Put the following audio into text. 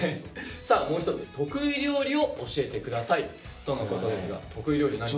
さあもう一つ「得意料理を教えて下さい」とのことですが得意料理何か？